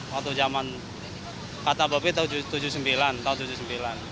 waktu jaman kata babi tahun seribu sembilan ratus tujuh puluh sembilan